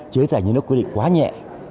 chế tài như nó quyết định quá nhẹ